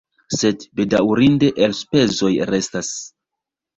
Sed bedaŭrinde elspezoj restas.